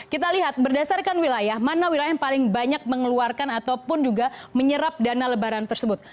kita lihat berdasarkan wilayah mana wilayah yang paling banyak mengeluarkan ataupun juga menyerap dana lebaran tersebut